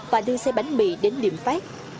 và đưa xe bánh mì đến điểm phát